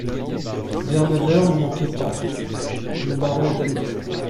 Vers neuf heures, ne manquez pas … Le baron est à nous.